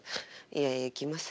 いやいや行きます。